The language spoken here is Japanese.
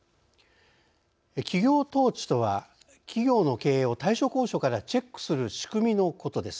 企業統治とは企業の経営を大所高所からチェックする仕組みのことです。